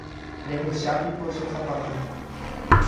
Rehechápiko che sapatu.